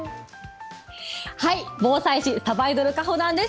はい、防災士、さばいどる、かほなんです。